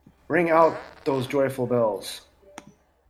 Ring out those joyful bells.